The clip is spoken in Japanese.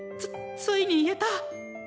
ついに言えた！